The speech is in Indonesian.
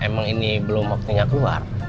emang ini belum waktu gak keluar